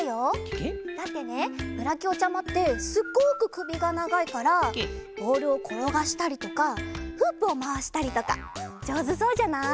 ケケ？だってねブラキオちゃまってすっごくくびがながいからボールをころがしたりとかフープをまわしたりとかじょうずそうじゃない？